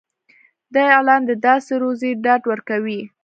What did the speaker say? دا اعلان د داسې روزي ډاډ ورکوي.